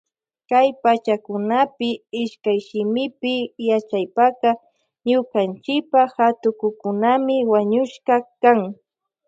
Kay pachakunapi ishkayshimipi yachaypaka ñukanchipa hatukukunami wañushka kan.